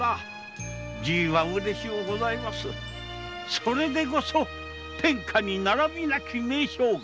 それでこそ天下に並びなき名将軍。